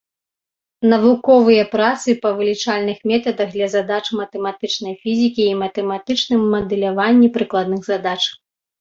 Навуковыя працы па вылічальных метадах для задач матэматычнай фізікі і матэматычным мадэляванні прыкладных задач.